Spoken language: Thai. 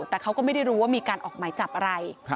แต่เขาก็ไม่ได้รู้ว่ามีการออกหมายจับอะไร